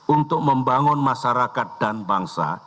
untuk membangun masyarakat dan bangsa